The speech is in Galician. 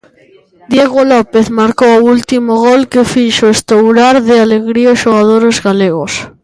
Diego López marcou o último gol, que fixo estourar de alegría os xogadores galegos.